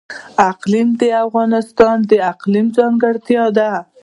اقلیم د افغانستان د اقلیم ځانګړتیا ده.